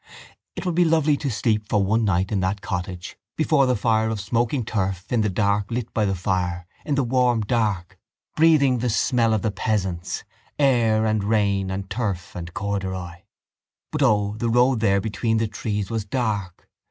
It would be lovely to sleep for one night in that cottage before the fire of smoking turf, in the dark lit by the fire, in the warm dark, breathing the smell of the peasants, air and rain and turf and corduroy. But, O, the road there between the trees was dark!